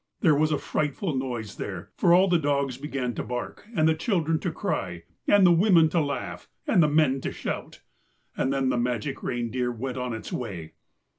There was a frightful noise there, for all the dogs began to bark, and the children to cry, and the women to laugh, and the men to shout. And then the magic reindeer went on its way.